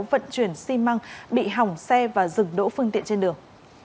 vận chuyển xi măng bị hỏng xe và dừng đỗ phương tiện trên đường